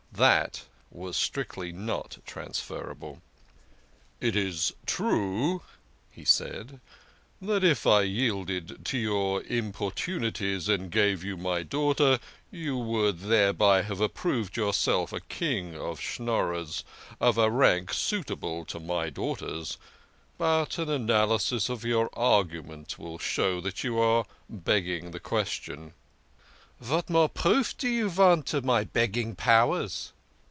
That was strictly not transferable. THE KING OF SCHNORRERS. 79 " It is true," he said, " that if I yielded to your im portunities and gave you my daughter, you would thereby have approved yourself a king of Schnorrers, of a rank suitable to my daughter's, but an analysis of your argument will show that you are begging the question." "' VAT MORE PROOF DO YOU VANT ?'" "Vat more proof do you vant of my begging powers?"